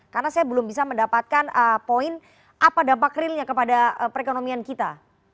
karena saya belum bisa mendapatkan poin apa dampak realnya kepada perekonomian kita